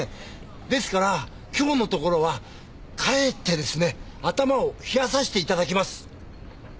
ですから今日のところは帰ってですね頭を冷やさせて頂きます！